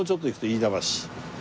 飯田橋。